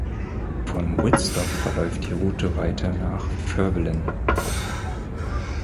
Von Wittstock verläuft die Route weiter nach Fehrbellin.